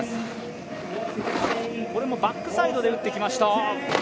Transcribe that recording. ここもバックサイドで打ってきました。